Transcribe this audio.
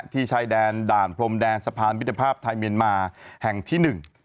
ที่ไชด์แดนด่านพรมแดงสะพานวิทธภาพไทยเมียนมาให้ที่หนึ่ง